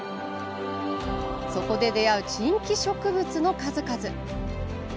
そこで出会う珍奇植物の数々。